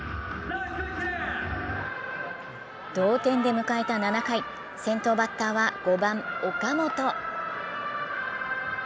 同点で迎えた７回、先頭バッターは５番・岡本。